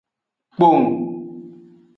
Kpong.